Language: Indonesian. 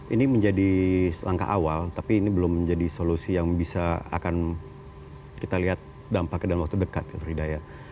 ini menjadi langkah awal tapi ini belum menjadi solusi yang bisa akan kita lihat dampaknya dalam waktu dekat fridaya